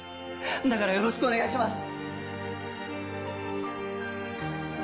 だからよろしくお願いします。